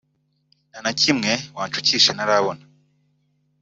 nta na kimwe wanshukisha ntarabona